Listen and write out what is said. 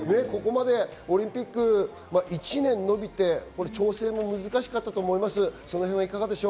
オリンピックが１年延びて調整も難しかったと思います。